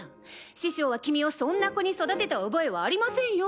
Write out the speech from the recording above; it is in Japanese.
師匠は君をそんな子に育てた覚えはありませんよ！